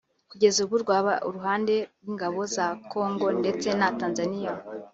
Kugeza ubu rwaba uruhande rw’ingabo za Kongo ndetse na Tanzania